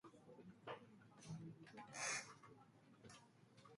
哈勃是公认的星系天文学创始人和观测宇宙学的开拓者。